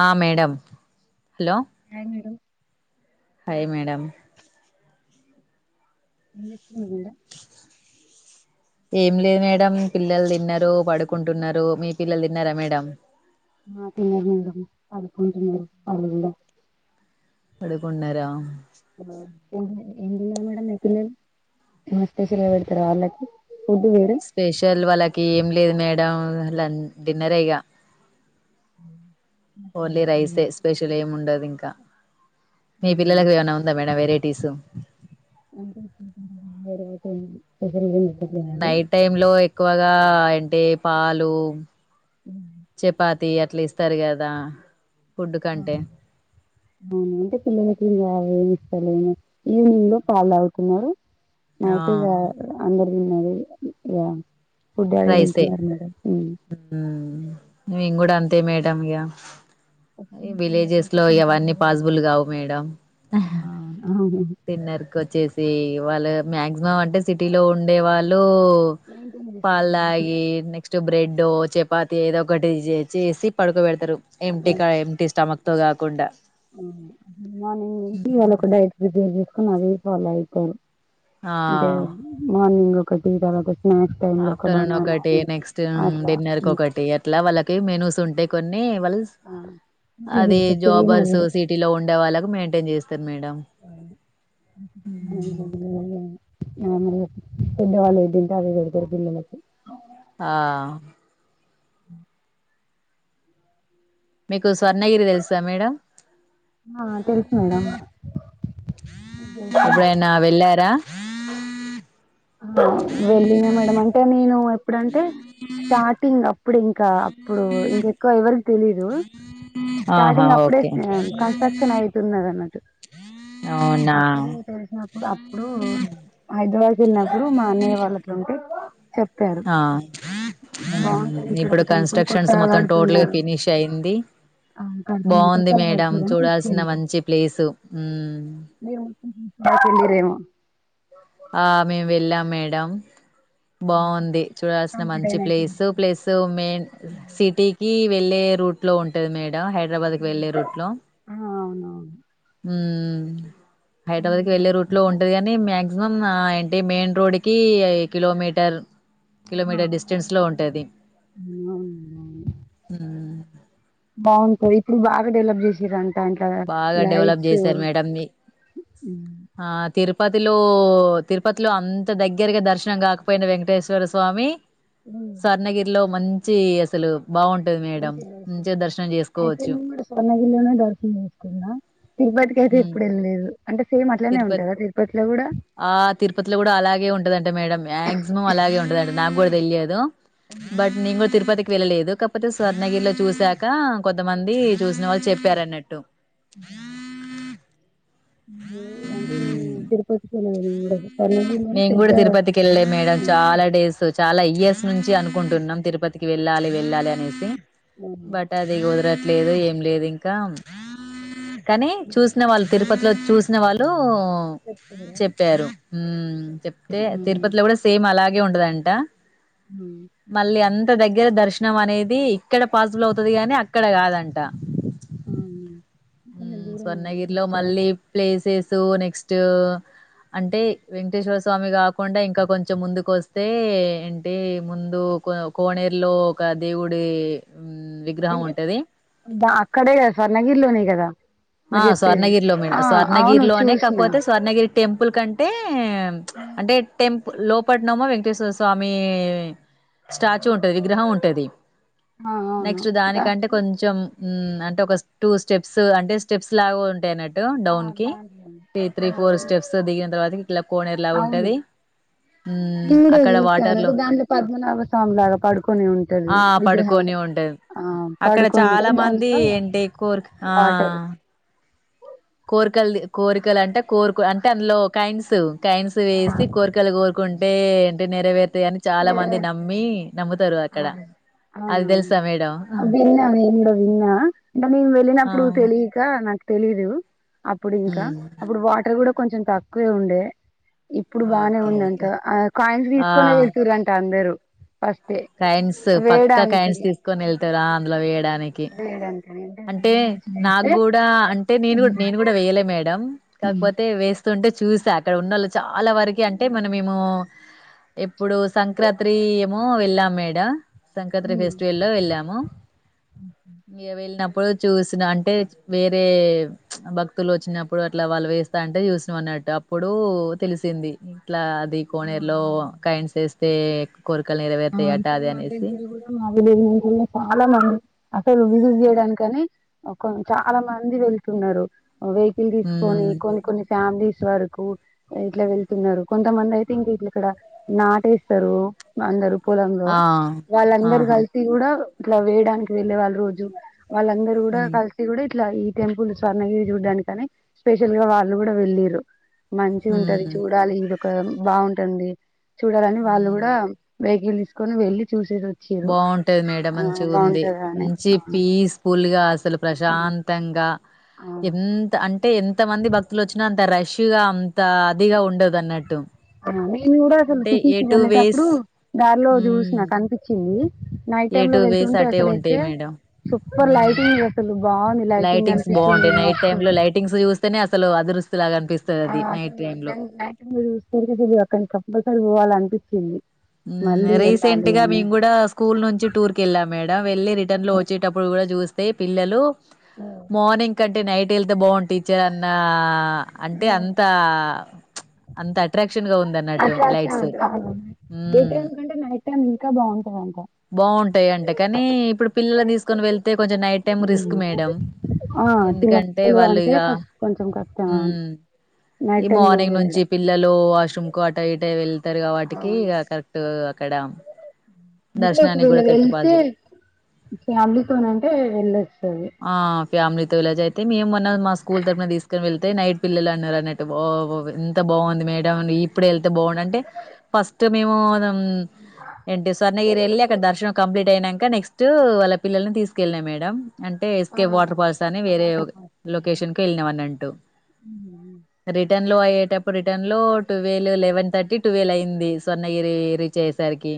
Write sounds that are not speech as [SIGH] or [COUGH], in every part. ఆ madam hello hi madam hi madam ఏం చేస్తున్నారు మేడం ఏం లేదు మేడం పిల్లలు తిన్నారు పడుకుంటున్నారు మీ పిల్లలు దిన్నారా మేడం ఆ తిన్నారు మేడం పడుకుంటున్నారు వాల్లు ఇంగా పడుకున్నరా ఆ [INAUDIBLE] ఏం తిన్నారు మేడం మీ పిల్లలు ఏం అన్న స్పెషల్ పెడుతరా ఆల్లకీ స్పెషల్ వాళ్ళకి ఏం లేదు మేడం లన్ డిన్నరే ఇగా ఊ ఓన్లీ రైస్ ఏ స్పెషల్ ఏం ఉండదు ఇంకా మీ పిల్లలకు ఏదైనా ఉందా మేడం వెరైట్ టీసు అంటే [INAUDIBLE] పెట్టట్లేదండి నైట్ టైమ్ లో ఎక్కువగా అంటే పాలు చేపత్ తీ అట్లీస్తారు గదా ఫుడ్డు ఆ, కంటే అవును అంటే పిల్లలకింగా అవేమీస్తలేము ఈవినింగ్ లో పాల్ తాగుతున్నారు ఆ నైటిగా అందరు అన్నది గా ఫుడ్ ఆడే తింటున్నారు గదా మేం గూడ అంతే మేడం ఇగ చిన్న విలేజెస్ పిల్లలకైతే లో కొంచెం ఇవన్నీ వేరే కదా పాసిబుల్ కావు మేడం ఆ, అవును డిన్నర్ కోచ్చేసి ధీ వాళ్ళు మాక్సిమం అంటే సిటీలో ఉండే వాళ్ళు మెయింటైన్ చేస్తారు మంచిగా పాల్దగి నెక్స్ట్ బ్రెడ్డో చపాతి ఏదో ఒకటి జే చేసి పడుకో బెడ్తరు ఎంప్టీ క ఎంప్టీ స్టమక్ తో కాకుండా ఆ మార్నింగ్ నుంచి వాళ్ళోక డైట్ ప్రిపేర్ జేస్కొని అదే ఫాలో అయితారు ఆ అంటే మార్నింగ్ క ట్టి జాలగోయ్ ఆఫ్టర్నూన్ ఒకటి నెక్స్ట్ మ్మ్ అట్లా డిన్నర్ కొకటి అట్లా వాళ్ళకి మెనూస్ ఉంటాయ్ కొ నీ వల్స్ అది సేమ్ అదే జాబర్సూ సిటీలో ఉండేవాళ్ళకు మెయింటైన్ జెస్ తిన్మేడం మ్మ్ మామూలుగా పెద్దవాళ్ళు ఏదింటే అది వెడతరు బిల్లలకి ఆ హ్మ్ కు స్వర్ణగిరి తెలుసా మేడం ఆ తెలుసు మేడం ఎపుడైనా వెళ్ళారా వెళ్ వెళ్ళిన మేడమ్ అంటే నేను ఇప్పుడంటే స్టార్టింగ్ అప్పుడు ఇంకా అప్పుడు ఇంకెక్కువ ఎవరికి తెలీదు ఆహా స్టార్టింగ్ అప్పుడే ఓకే ఆ కన్స్ట్రక్షన్ అవుతున్నది అన్నట్టు అవునా అప్పుడు తెలిసినప్పుడు అప్పుడు హైద్రవాద్ చిన్నప్పుడు మా అన్నయ్య వాళ్ళకి ఉంటే అ చెప్ప్యారు ఆ బాగుంటది ఉమ్, ఇక్కడ ఇప్పుడు ఒక టెంపుల్ కన్స్ట్రక్షన్స్ కొత్తగా మొత్తం టోటల్ గా కడుతున్నారు. ఫినిష్ అయింది ఆ కడుతు బాగుంది కొత్తగా మేడం కడుతురని చూడాల్సిన తీసుకెళ్ళారు. మంచి ప్లేసు మ్మ్. ఆ మేము వెళ్ళాం మేడం బాగుంది చూడాల్సిన కంప్లీట్ మంచి అయినాక ప్లేస్ వెళ్ళిరా ప్లస్ మెయిన్ సిటీకి వెళ్ళే దూట్ లో ఉంటే మేల్ హైదరాబాద్కి వెళ్ళలే రూట్ లో ఆ అవునవును ఉ హైదరాబాద్కి వెళ్లే రూట్ లో ఉంటాడు కానీ మ్యా మక్మం ఏంటి మెయిన్ రోడ్ క కిలోమీటర్ కిలోమీటర్ డిస్టెన్స్ లో ఉంటుది బాగుంటది ఇప్పుడు బాగా డవలప్ చేసిారు అే బాగా డెవలప్ చేసారు మేడంని ఆ తిరుప తిరుపతిలో తిరుపతిలో అంత దగ్గరగా దర్శనం కాకపోయిన వెంకటేశ్వర స్వామి సార్ణగిరిలో మంచి మంచి అసలు బాగుంటది మేడం మంచించి మంచిగా దర్శనం అయితే చేసుకోవచ్చు మేం కూడా స్వర్ణగిరిలోనే దర్శ్ కున్నా తిరుపతికి అయితే ఎప్పుడు వెళ్ళలేదు అంటే సేమ్ అట్లనే తిరుపతి ఉంటదా తిరుపతిలో కూడా ఆ తిరుపతిలో కూడా అలాగే ఉంటదంటే మేడడం మాక్సిమం అలాగే ఉండదంటడి నాకు కూడా తెలియదు అవునా? బట్ నింగ కూడా తిరుపతికి వెళ్ళలేదు కాకపోతే స్వర్ణగిరిలో చూసాక కొంతమంది చూసిన వాళ్ళు చెప్పారున్నట్టు హు అంటే నేను తిరుపతికెళ్ళనండి మేం కూడా తిరుపతికి వెళ్ళలే మేడం ఆ, చాలా డేస్ చాలా ఇయర్స్ నుంచి అనుకుంటున్నాం తిరుపతికి వెళ్ళాలి వెళ్ళాలి అనేసి ఆ, బట్ అది కుదర ఎదో లేదు ఏం లేదు ఇంకా కానీ చూసిన వాళ్ళు తిరుపతిలో చూసిన వాళ్ళు ఓ చెేపినా చెప్తే తిరుపతిలో కూడా సేమ్ అలాగే ఉండదంట ఆ, మళ్ళీ అంత ఇ దగ్గర దర్శనం అనేది ఇక్కడ పాసిబుల్ అవుతుది గాని అక్కడ కాదంట ఆ, కొంచెం దూరం స్వర్ణగిరిలో చూస్తారా మళ్ళీ ప్లేసెస్ సో నెక్స్ట్ అంటే వెంకటేశ్వర స్వామి కాకుండా ఇంకా కొంచెం ముందుకు వస్తే ఏంటి ముందు కోనేరులో ఒక దేవుడి విగ్రహం ఉంటది అక్కడే స్వర్ణగిరిలోనే కదా ఆ మీరు చెప్పేది స్వర్ణగిరిలో మీడ ఆ అవును స్వర్ణగిరిలోనే చూసిన కాకపోతే స్వర్ణగిరి టెంపుల్ కంటే ఏ అంటే టెంపుల్ లోపట్నమో వెంకటేశ్వర స్వామి స్టాచ్యు ఉంటది విగ్రహం ఉంటది ఆ అవును నెక్స్ట్ దా- దానికంటే కొంచెం హ్మ్మ్ అంటే ఒక టూ స్టెప్స్ అంటే స్టెప్స్ లాగా ఉంటాయిన్నటు ఆ, డౌన్ కి దాంట్లో ఈ త్రీ ఫోర్ దాంట్లోనే స్టెప్స్ దిగిన తర్వాత అవును హ్మ్, ఇడ అక్కడ చూసాను వాటర్‌లో దంట్లో పద్మనాభ స్వామి లాగా పడుకొని ఉంటుది ఆ! విగ్రహం పడుకొని ఉంటది. ఆ అక్కడ పడుకుంటే చాలా మంది దానిట్లో ఏంటి కోరిక ఆ! వాటర్ కోరికలు కోరికలు అంటే కోరికో అంటే అందులో కాయిన్స్ కైన్స్ వేసి కోరికలు కోరుకుంటే హే ఏంటి నేరవే త అని చాలా మంది నమ్మి నమ్ముతారు అక్కడ అవును అది తెలుసా మేడం విన్న మనం ఆ! వెళ్ళినప్పుడు తెలియక నాకి తెలీదు అప్పుడు ఇంకా హ్మ్. అప్పుడు వాటర్ కూడా కొంచెం తక్కువే ఉండే ఇప్పుడు బానే ఓకే. ఉందంట ఓకే. ఆ కాయిన్స్ తీసుకునే అందరు కాయిన్స్ పక్కా కాయిన్స్ తీసుకొని వెళ్తారా అందులో వేయడానికి వేయడానికి అంటే దూరం నుంచి నాకు చూస్తే కూడా అంటే నేను నేను కూడా ఉమ్ వెయ్యలే మేడం కాకపోతే వేస్ స్తుంటే చూసా అక్కడ ఉన్నాళ్ళు చాలా వరకి అంటే మొన్న మేము ఎప్పుడు సంక్రాంతి ఏమో వెళ్ళాం మేడ సంక్రాంతి హ్మ్. ఫెస్టివల్ లో వెళ్ళాము ఇక వెళ్ళినప్పు అప్పుడు చూసిన అంటే వేరే భక్తులు వచ్చినప్పుడు అట్లా వాళ్ళు వేస్తా అంటే చూసినాం అన్నట్టు అప్పుడు తెలిసింది ఇట్లా అది ఆ! కోనేరులో అవునండి. కాయిన్స్ వేస్తే కోరికలు ఆ నెరవేరుతాయట ఇక్కడ అది మా అనేసి దగ్గర కూడా మా విలేజ్ లా కూడా చాలా మంది అసలు విసిట్ చేయడానికని చాలా మంది వెళ్తున్నారు వెహికల్ తీసుకొని హ్మ్ కొన్ని కొన్ని ఫ్యామిలీస్ వరకు ఇట్లా వెళ్తున్నారు కొంతమంది అయితే ఇంక ఇ ఇక్కడ నాటేస్తారు అందరు పొలంలో ఆ! వాళ్ళందరు ఆహా! కలిసి కూడా ఇట్లా వేయడానికి వెళ్ళలే వాళ్ళు రోజు వాళ్ళందరూ కూడా హ్మ్. కలిసి కూడా ఇట్లా ఈ టెంపుల్ స్వర్ణగిరి చూడ్డానికి కానీ స్పెషల్ గా వాళ్ళు కూడా వెళ్ళింద్రు మంచి ఉంటది హ్మ్. చూడాలి ఇద అక్కడ బాగుంటుంది చూడాలని వాళ్ళు కూడా వెహికల్ తీసుకొని వెళ్ళి చూసేసి వచ్చిరు బాగుంటది మేడం ఆ మంచి ఉంది బాగుంటదా అని మంచి ఆ పీస్ఫుల్ గా అసలు ప్రశాంతంగా ఆ ఎంత అంటే ఎంత మంది భక్తులు వచ్చినా అంత రష్ ఫ్రెష్ గా అంత అదిగా ఉండదు అన్నట్టు నేను కూడా అసలు సిటీకి వేస్ వెళ్ళేటప్పుడు దారిలో చూసిన హ్మ్. కనిపించింది నైట్ ఏ టైమ్ లో టూ వేస్ వెళ్తుంటే అట్టే అసలైతే ఉంటాయి మేడం సూపర్ లైటింగ్ అసలు బాగుంది లైటింగ్ లైటింగ్స్ అనిపిస్తుంది బాగుంటాయి నైట్ టైమ్ లో లైటింగ్స్ చూస్తేనే అసలు అదుర్స్ మీరు తిరుగదు అక్కడి కంపల్సరీ పోవాలంట పోస్తుంది రీసెంట్ గా మేము కూడా స్కూల్ నుంచి టూర్ కి వెళ్ళాం మేడం వెళ్ళి రిటర్న్ లో వచ్చేటప్పుడు కూడా చూస తే పిల్లలు మార్నింగ్ క ట నైట్ వెళ్తే బాగుం టీచర్ అన్న అంటే అంత అంత అట్రాక్ట్ [UNINTELLIGIBLE] డే హ్మ్. టైమ్ కంటే నైట్ టైమ్ ఇంకా బాగుంటందింత పిల్లల్ని తీసుకని వెళ్తే కొంచెం నైట్ టైమ్ రిస్క్ మేడమ్ ఆ ఎందుకంటే చిన్నపిల్లలు వాళ్లు అంటే ఇగ కష్ కొంచెం కష్టం నైట్ టైమ్ లో మార్నింగ్ నుంచి వెళ్ళడం ఈ పిల్లలు వాష్‌రూమ్ కో అటో ఇటో వెళ్తారు కాబట్టి అవును క కరెక్ట్ అక్కడ అంటే ఒక దర్శనానికి వీళ గూడా కరెక్ట్ వెళ్తే పాజి ఫ్యామిలీతోనంటే వెళ్ళొస్తుంది ఫ్యామిలీతోో ఇలాజ అయితే మేముమన్న మా స్కూల్ తరపున తీసుకొని వెళ్తే నైట్ పిల్లలు అన్నారు అన్నట్టు ఎంత బాగుంది మేడం ఇప్పుడే వెళ్తే బాగు అంటే ఫస్ట్ మేము ఏంటి స్వర్ణగిరి వెళ్లి అక్కడ దర్శనం కంప్లీట్ అయినాక నెక్స్ట్ వాళ్ళ పల్లల్ని తీసుకెళ్ళినయి మేడడం అంటే ఎస్కే వాటర్ ఫాల్స్ అని ఆ వేరే వాటర్ ఫాల్స్ లొకేషన్ కు వెళ్ళినాంనటూ రిటర్న్ లో అయ్యేటప్పుడు రిటన్లో టువేల్ లెవెన్ థర్టీ టువేల్ అయిం ది సొర్ణగిరి రీచ్ అయేసరికి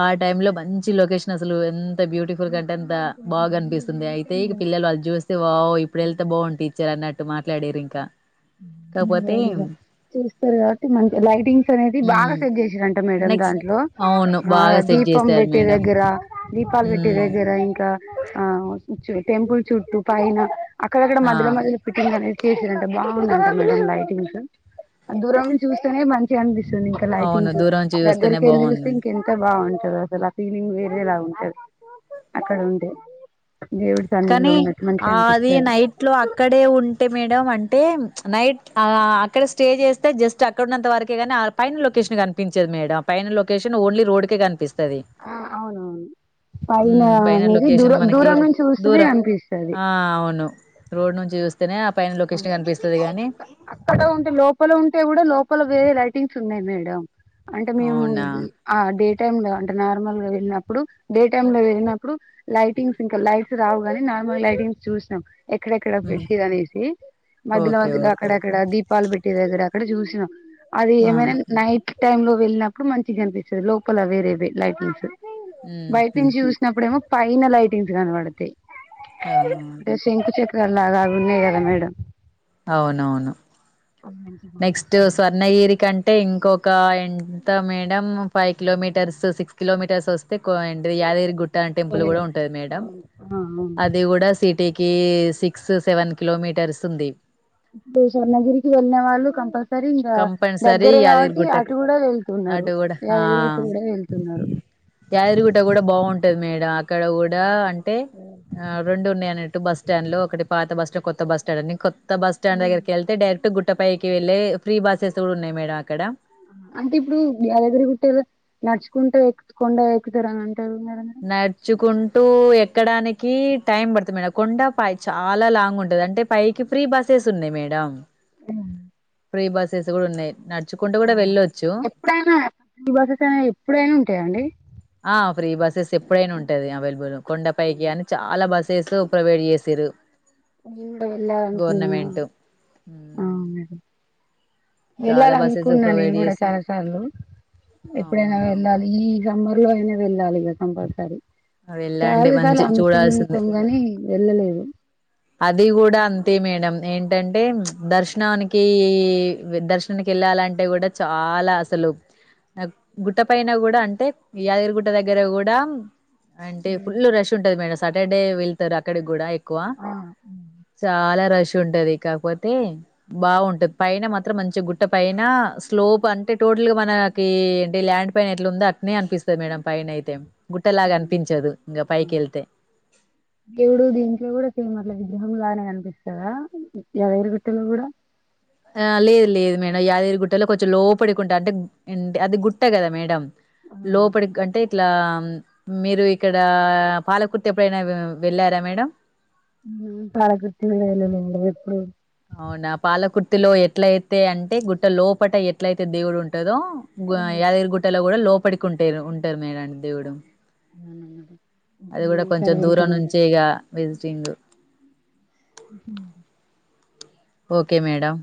ఆ టైమ్ లో మంచి లోకేష్ అసలు ఎన్ ఎంత బ్యూటిఫుల్ ఆ కంటే టైమ్ అంత లో ఇంకా బాగా బాగుంటది కనిపిస్తుంది, నైట్ అయితె టైమ్ ఇక కదా పిల్లలు వాళ్ళు చూస్తే వావ్ ఇప్పుడు వెళ్తే బావు టీచర్ అన్నట్టు మాట్లడిరింకా దిగా చస్తారు కాబట్టి మంచి లైటింగ్స్ అనేవి బాగా హ్మ్ సెట్ చేసారంట మేడం నెక్స్ట్ దాంట్లో, అవును ఆ బాగా సెట్ దీపం చేశారు పెట్టే మేడం. దగ్గర దీపాలు పెట్టే హ్మ్. దగ్గర ఇంకా ఆ టెంపులు చుట్టూ పైనా అక్కడక్కడ ఆ! మద్యలో మద్యలో పిటను క చేసిర్రు అంటావ్ బాగు మే లైటింగ్స్ దూరం నుంచి చూస్తేనే మంచిగా అనిపిస్ ఇంకా అవును. లైటింగ్స్ దూరం నుంచి చూస్తేనే దగ్గరిక వెళ్ళి చుస్తే బాగుంది. ఇంకెంత బాగుంటంది అసలు ఆ ఫీలింగ్ వేరేలా ఉంటది అక్కడ ఉంటె కానీ ఆ అది నైట్ లో అక్కడే ఉంటే మేడం అంటే నైట్ అక్కడ స్టే చేస్తే జస్ట్ అక్కడన్నంత వరకే కాని, పైన లొకేషన్ కనిపించది మేడం పైన లొకేషన్ ఓన్లీ రోడ్ కే కనిపిస్ ఆ అవును అవును పైన హ్మ్ అనేది దూర లొకేషన్ మనకి దూరం నుంచి చూస్ తుమే దూరం అనిపిస్తది ఆ అవును రోడ్ నుంచి చూ అక్కడ ఉంటే లోపల ఉంటే కూడా లోపల వేరే ంగ్స్ ఉన్నాయి మేడమ్ అంటే మేము అవునా ఆ డేట్ టైం లో అంటే నార్మల్ గా వెళ్ళినప్పుడు డే టైం లో వెళ్ళినప్పుడు లైటింగ్స్ ఇంకా లైట్స్ రావు గానీ నార్మల్ లైటింగ్స్ చూసినాం. ఎక్కడెక్కడ హ్మ్ పెట్టిర్ర అనేసి ఓకే మధ్యలోధ్యలో ఓకే అక్కడ అక్కడది దీపాలు పెట్టే దగ్గర అక్కడ చూసిన అది ఆ ఏమైనా నైట్ టైమ్ లో వెళ్ళినప్పుడు మంచిగా అనిపిస్తుంది లోపల వేరేవే లైటింగ్స్ హ్మ్ బయటి హు నుంచి చూసినప్పుడేమో పైనలైటింగ్స్ కనబడతయ్ ఆ క్రాల్లాలాగు ఉన్నాయి కదా మేడం అవునవును అ నెక్స్ట్ స్వర్ణగిరి కంటే ఇంకొక ఎంత madam five kilometres six kilometres వస్తే అడి యాదగిరి గుట్ట అ టెంపుల్ కూడా ఉంటది ఆ మేడం అవును అది కూడా సిట్ ఇంటికి సిక్స్ సెవెన్ కిలోమీటర్స్ ఉంది ఇప్పుశణగిరికి వెళ్నే వాళ్ళు కంపల్ సరే ఇంకా కంపల్సరీ దగ్గరే యాదగిరి కాబట్టి అటు గుట్టకు కూడా వెళ్తున్నారు అటు కూడా ఆ కూడా వెళ్తున్నారు యాదగిరిగుట్ట కూడా బాగుంటది మేడం అక్కడ కూడా అంటే రెండు ఉన్నా బస్ స్టాండ్ లో ఒకటి పాత బస్టాండ్ కొత్త బస్ స్టాండ్ అని బస్ స్టాండ్ దగ్గర కి వెళ్తె డైరెక్ట్ గుం ట్టపైకి వెళ్ళె ఫ్రీ బస్సెస్ కూడా ఉన్నాయి మేడం అక్కడ అంటే ఇప్పుడు యాదగిరిగుట్ట లో నడుచుకుంట ఎక్కి కొండ ఎక్కుతారండి నడుచుకుంట టు ఎక్కడానికి టైం పడుతుంది మేడం కొండ పై చాలా లాంగ్ ఉంటంది అంటే పైకి ఫ్రీ బస్సెస్ ఉన్నాయి మేడం ఆ ప్రీ బస్సెస్ కూడా ఉన్నాయి నడుచుకుంటూ ఓ కూడా వెళ్ళొచ్చు ఎప్పుడైనా ఫ్రీ బసస్ అయిన ఎప్పుడైనా ఉంటాయాండి ఆ ఫ్రీ బస్సెస్ ఎప్పుడైనా ఉంటాది అవైలబుల్ కొండపైకి అని చాలా బా నెట్లో ప్రొవైడ్ చేసిరు నేను కూడా వెళ్ళలనుకున్నాను చాలా వెళ్ళాలి బస్సెస్ అనుకున్నా నేను ప్రొవైడ్ కూడా చేసి చాలా సార్లు ఎప్పుడైనా అవునా వెళ్ళాలి ఈ సం ఇ లో అయినా వెళ్ళాలి ఇక కంపల్సరీ వెళ్ళండి చాలా మంచి సార్లు చూడాల్సింది అనుకుంటాం కానీ వెళ్ళలేదు అది కూడా అంతే మేడం ఏంటంటే దర్శనానికి దర్శనానికి వెళ్ళాలంటే కూడా చాలా అసలు గుట్ట పైన కూడా అంటే యాదగిరిగుట్ట దగ్గర కూడా అంటే ఫుల్ రష్ ఉంటది మేడం సాటర్డే డే వెళ్తారు అక్కడ కూడా ఎక్కువ ఆ చాలా రష్ టది కాకపోతే బాగుంటది పైన మాత్రం మంచి గుట్ట పైన స్లోప్ అంటే టోటల్గా మనకి ఏంటి ల్యాండ్ పైన ఎట్లా ఉందో అట్లనే అనిపిస్తుంది మేడం పైన అయితే గుట్టలాగా అనిపించదు ఇంగ పైకెళ్తే ఎవడు దంక ఎవడ ఏ మ [INAUDIBLE] విగ్రహం గానే కనిపిస్తుదా ఎవరు కట్టింది కూడా ఆ లేదు లేదు మేడం యాదగిరిగుట్టలో కొంచెం లోపడికుంటా అంటే అది గుట్ట కదా మేడం లోపలికి అంటే ఇట్లా మీరు ఇక్కడా పాలకుర్తి ఎప్పుడైనా వెళ్ళారా మేడం ప్రాలకృతి వెళ్ళలేదండి ఎప్పుడు అవున పాలకుర్తిలో ఎట్లయితే అంటే గుట్ట లోపట ఎట్లయితే దేవుడు ఉంటదో హ్మ్. యాదగిరి గుట్టలొ కూడా లోప పడుకుంటే ఉంటరు మేడని దేవుడు అవునన్నమాట. అది కూడ ఇంకేమైనా కొంచెం సరే దూరం వెళ్తాము నుంచె ఇక వెజిటింగ్ అ ఓకె మేడమ్